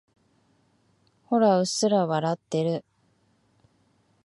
ほら、うっすら笑ってる。